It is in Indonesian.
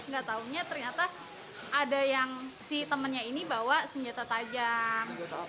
ketahunya ternyata ada yang si temennya ini bawa senjata tajam